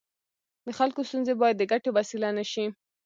د خلکو ستونزې باید د ګټې وسیله نه شي.